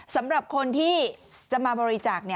สำหรับคนที่จะมาบริจาค